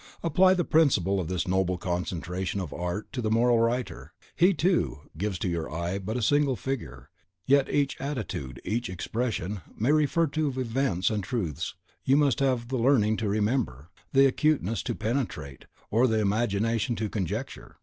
Apply the principle of this noble concentration of art to the moral writer: he, too, gives to your eye but a single figure; yet each attitude, each expression, may refer to events and truths you must have the learning to remember, the acuteness to penetrate, or the imagination to conjecture.